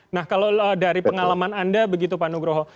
nah kalau dari pengalaman anda begitu pak nugroho